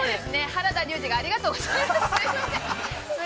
原田龍二がありがとうございます。